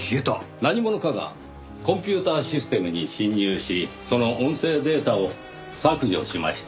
何者かがコンピューターシステムに侵入しその音声データを削除しました。